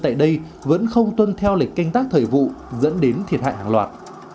tại đây vẫn không tuân theo lịch canh tác thời vụ dẫn đến thiệt hại hàng loạt